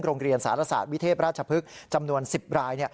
โรงเรียนสารศาสตร์วิเทพราชพฤกษ์จำนวน๑๐ราย